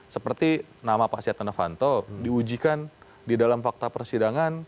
seperti nama pak setia novanto diujikan di dalam fakta persidangan